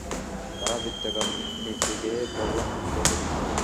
তারা বৃত্তাকারে নেচে-গেয়ে বল্লম বিদ্ধ করছিল।